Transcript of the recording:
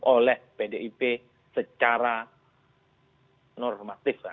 oleh pdip secara normatif